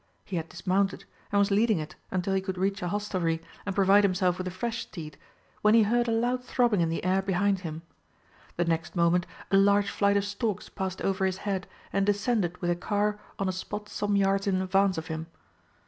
He had dismounted, and was leading it until he could reach a hostelry and provide himself with a fresh steed, when he heard a loud throbbing in the air behind him. The next moment a large flight of storks passed over his head and descended with a car on a spot some yards in advance of him.